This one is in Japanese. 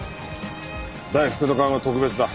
大福の勘は特別だ。